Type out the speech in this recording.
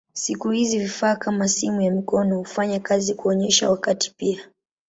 Siku hizi vifaa kama simu ya mkononi hufanya kazi ya kuonyesha wakati pia.